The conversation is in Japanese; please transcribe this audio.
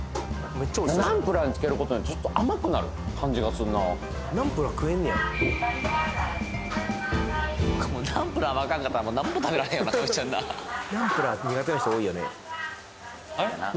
ナンプラーにつけることによってちょっと甘くなる感じがすんなナンプラー食えんねやナンプラーもあかんかったらなんも食べられへんよな神ちゃんなナンプラー苦手な人多いよねあれ？